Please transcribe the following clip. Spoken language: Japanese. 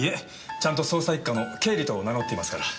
ちゃんと捜査一課の経理と名乗っていますから。